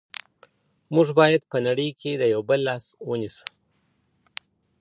موږ باید په نړۍ کي د یو بل لاس ونیسو.